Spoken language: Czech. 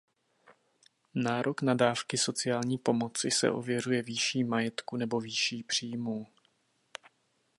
Nárok na dávky sociální pomoci se ověřuje výší majetku nebo výší příjmů.